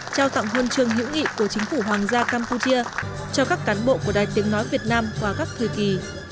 trao tặng huân trường hữu nghị của chính phủ hoàng gia campuchia cho các cán bộ của đài tiếng nói việt nam qua các thời kỳ